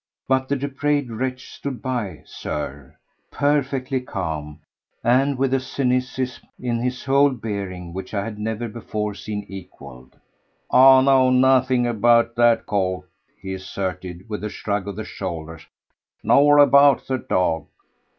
But the depraved wretch stood by, Sir, perfectly calm and with a cynicism in his whole bearing which I had never before seen equalled! "I know nothing about that coat," he asserted with a shrug of the shoulders, "nor about the dog."